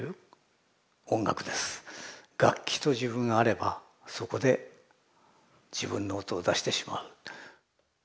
楽器と自分があればそこで自分の音を出してしまう。